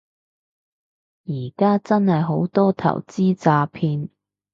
而家真係好多投資詐騙